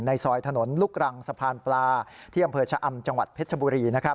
ซอยถนนลูกรังสะพานปลาที่อำเภอชะอำจังหวัดเพชรบุรี